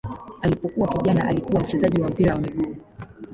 Alipokuwa kijana alikuwa mchezaji wa mpira wa miguu.